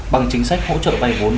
bằng chính sách hỗ trợ vay vốn